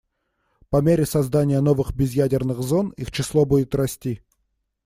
По мере создания новых безъядерных зон их число будет расти.